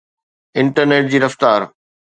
internet جي رفتار